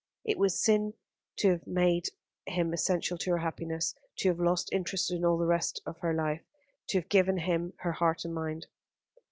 It was sin to have made him essential to her happiness, to have lost interest in all the rest of her life, to have given him her heart and mind.